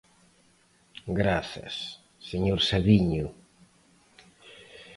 Grazas, señor Sabiño.